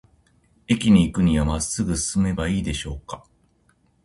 駅に行くには、まっすぐ進めばいいでしょうか。